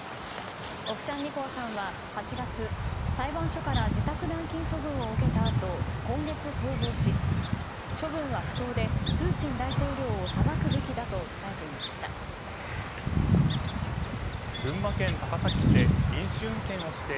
オフシャンニコワさんは８月裁判所から自宅軟禁処分を受けたあと今月逃亡し、処分は不当でプーチン大統領を裁くべきだと訴えていました。